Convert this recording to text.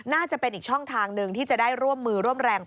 น่าจะเป็นอีกช่องทางหนึ่งที่จะได้ร่วมมือร่วมแรง